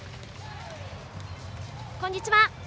こんにちは。